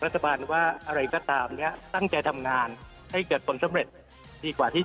พบกันหน่อยให้รัฐเป็นโจทย์กลางก็ได้